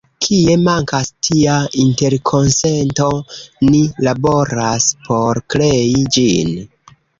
Kie mankas tia interkonsento, ni laboras por krei ĝin.